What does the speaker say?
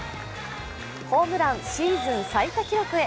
ホームランシーズン最多記録へ。